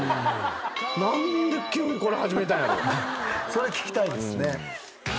それ聞きたいですね。